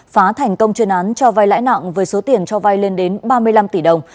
phá thành công chuyên án cho vai lãi nặng với số tiền cho vay lên đến ba mươi năm tỷ đồng